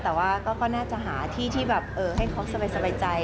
แต่ว่าก็น่าจะหาที่ที่แบบให้เขาสบายใจ